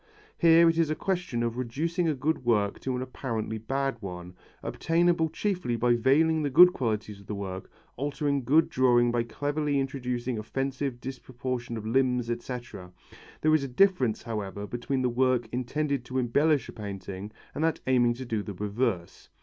Here it is a question of reducing a good work to an apparently bad one, obtainable chiefly by veiling the good qualities of the work, altering good drawing by cleverly introducing offensive disproportion of limbs, etc. There is a difference, however, between the work intended to embellish a painting and that aiming to do the reverse.